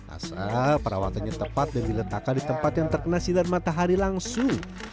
asal perawatannya tepat dan diletakkan di tempat yang terkena sinar matahari langsung